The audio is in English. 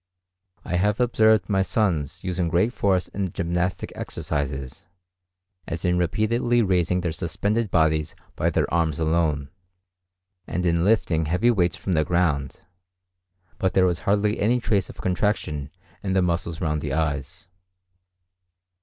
I have observed my sons using great force in gymnastic exercises, as in repeatedly raising their suspended bodies by their arms alone, and in lifting heavy weights from the ground, but there was hardly any trace of contraction in the muscles round the eyes.